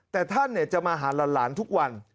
แต่ท่านจะมาหาหลานทุกวัน